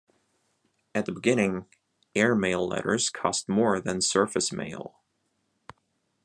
At the beginning airmail letters cost more than surface mail.